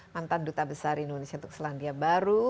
mantan duta besar indonesia untuk selandia baru